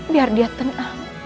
biar dia tenang